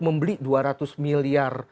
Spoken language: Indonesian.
membeli dua ratus miliar